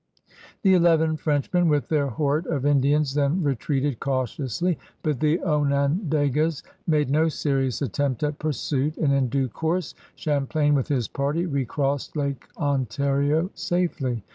The eleven Frenchmen with their horde of Lidians then retreated cautiously; but the Onon dagas made no serious attempt at pursuit, and in due course Champlain with his party recrossed Lake Ontario safely.